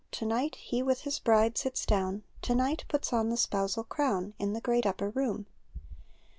To night He iviih His bride sits dozen. To night puts on the spousal crown. In the great upper room.